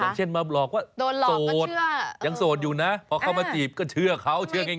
อย่างเช่นมาหลอกว่าโสดโดนหลอกก็เชื่อยังโสดอยู่นะพอเข้ามาจีบก็เชื่อเขาเชื่อง่าย